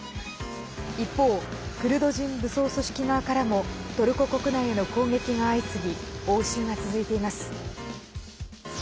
一方、クルド人武装組織側からもトルコ国内への攻撃が相次ぎ応酬が続いています。